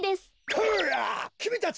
こらっきみたち！